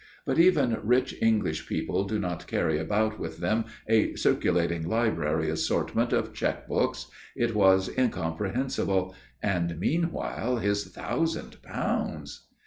But even rich English people do not carry about with them a circulating library assortment of cheque books. It was incomprehensible and meanwhile, his thousand pounds....